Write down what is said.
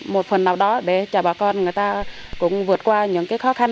một phần nào đó để cho bà con người ta cũng vượt qua những khó khăn